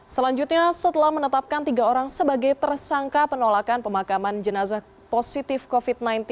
selanjutnya setelah menetapkan tiga orang sebagai tersangka penolakan pemakaman jenazah positif covid sembilan belas